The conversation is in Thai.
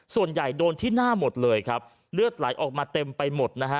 ส่วนใหญ่โดนที่หน้าหมดเลยครับเลือดไหลออกมาเต็มไปหมดนะฮะ